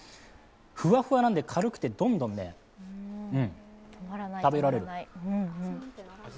ふわふわなんで、軽くてどんどん食べられる。